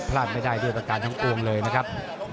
พลาดไม่ได้ด้วยประการทั้งปวงเลยนะครับ